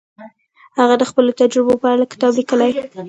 هغه د خپلو تجربو په اړه کتاب لیکلی.